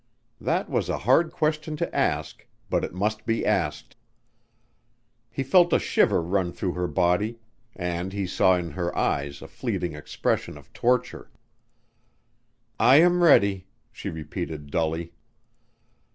That was a hard question to ask, but it must be asked. He felt a shiver run through her body and he saw in her eyes a fleeting expression of torture. "I am ready," she repeated dully.